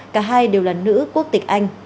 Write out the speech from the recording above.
cả hai đều là nữ quốc tịch anh